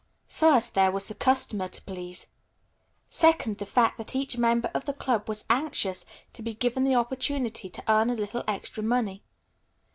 First there was the customer to please. Second the fact that each member of the club was anxious to be given the opportunity to earn a little extra money.